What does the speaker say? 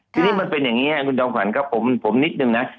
ทีนี้มันเป็นอย่างนี้คุณดองฝันครับผมผมนิดนึงนะ